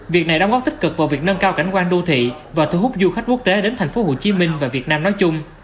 việc này đóng góp tích cực vào việc nâng cao cảnh quan đô thị và thu hút du khách quốc tế đến tp hcm và việt nam nói chung